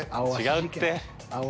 違うって。